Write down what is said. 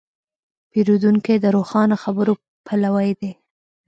پیرودونکی د روښانه خبرو پلوی دی.